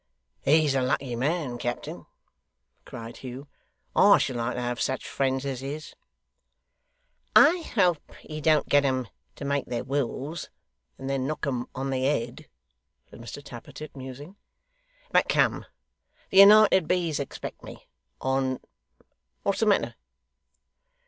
'He's a lucky man, captain,' cried Hugh. 'I should like to have such friends as his.' 'I hope he don't get 'em to make their wills, and then knock 'em on the head,' said Mr Tappertit, musing. 'But come. The United B.'s expect me. On! What's the matter?